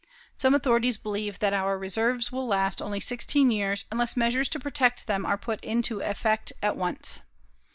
Some authorities believe that our reserves will last only sixteen years unless measures to protect them are put into effect at once.